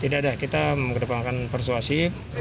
tidak ada kita mengedepankan persuasi